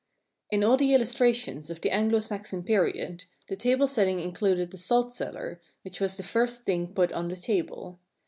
In all the illustrations of the Anglo Saxon period, the tablesetting included the Salt Cellar, which was the first thing put on the table.